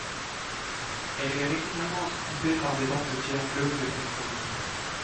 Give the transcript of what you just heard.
Elle est régulièrement entrecoupée par des bandes de pierre bleue ou de brique rouge.